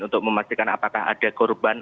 untuk memastikan apakah ada korban